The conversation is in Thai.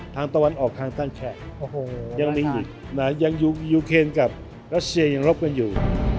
ทางตะวันออกทางแคลกก็ยังมิ้งอีกนะยังอยู่เครนกับรัชเชียัยเหลบกันอยู่